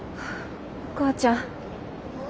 お母ちゃん。